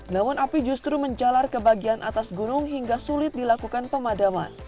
namun api justru menjalar ke bagian atas gunung hingga sulit dilakukan pemadaman